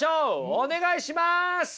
お願いします！